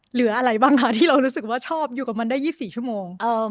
เหลืออะไรบ้างคะที่เรารู้สึกว่าชอบอยู่กับมันได้๒๔ชั่วโมง